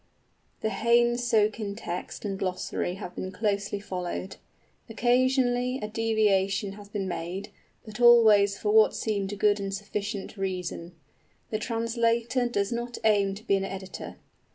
The Heyne Socin text and glossary have been closely followed. Occasionally a deviation has been made, but always for what seemed good and sufficient reason. The translator does not aim to be an editor.